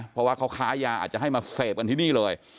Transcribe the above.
เพราะว่าเขาค้ายาอาจจะให้มาเสพกันที่นี่เลย